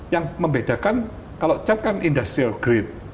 yang membedakan kalau chat kan industrial grade